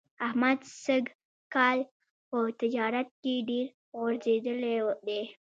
احمد سږ کال په تجارت کې ډېر غورځېدلی دی.